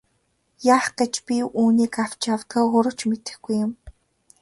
Яах гэж би үүнийг авч явдгаа өөрөө ч мэддэггүй юм.